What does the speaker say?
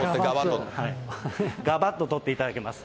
がばっと取っていただけます。